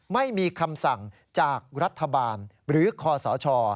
ไม่มีคำสั่งจากรัฐบาลหรือคอสช